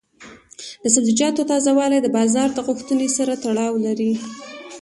د سبزیجاتو تازه والي د بازار د غوښتنې سره تړاو لري.